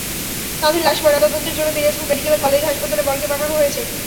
তাঁদের লাশ ময়নাতদন্তের জন্য দিনাজপুর মেডিকেল কলেজ হাসপাতালের মর্গে পাঠানো হয়েছে।